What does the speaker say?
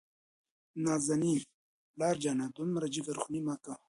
نازنين : پلار جانه دومره جګرخوني مه کوه.